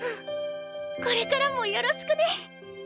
これからもよろしくね！